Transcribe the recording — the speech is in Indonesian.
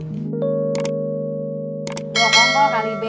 dua kongkol kali be